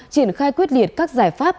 triển khai quyết liệt các giải pháp